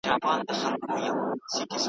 اشاره کړې او پر ویر یې ورسره ژړلي دي .